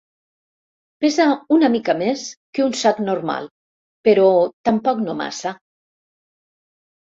Pesa una mica més que un sac normal, però tampoc no massa.